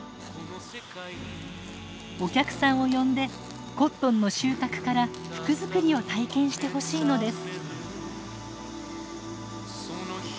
お客さんを呼んでコットンの収穫から服作りを体験してほしいのです。